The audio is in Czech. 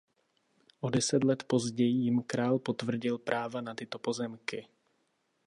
O deset let později jim král potvrdil práva na tyto pozemky.